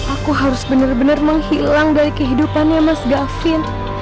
aku harus bener bener menghilang dari kehidupannya mas gafin